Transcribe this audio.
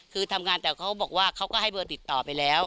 คือทำงานแต่เขาบอกว่าเขาก็ให้เบอร์ติดต่อไปแล้ว